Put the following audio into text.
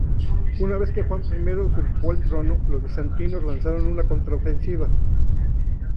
Una vez que Juan I usurpó el trono, los bizantinos lanzaron una contraofensiva.